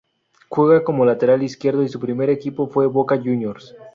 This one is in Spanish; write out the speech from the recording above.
Juega como lateral izquierdo y su primer equipo fue Boca Juniors.